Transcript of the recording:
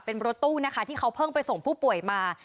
เป็นรถตู้นะคะที่เขาเพิ่งไปส่งผู้ป่วยมา